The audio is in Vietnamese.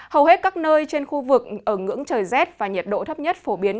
hầu hết các nơi trên khu vực ở ngưỡng trời rét và nhiệt độ thấp nhất phổ biến